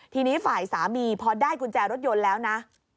ทีนี้ฝ่ายสามีพอได้กุญแจรถยนต์แล้วนะ